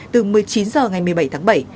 từ một mươi chín h ngày một mươi bảy tháng bảy